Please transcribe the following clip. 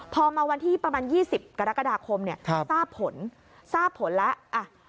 พอมาวันที่ประมาณ๒๐กรกฎาคมเนี่ยทราบผลทราบผลแล้ว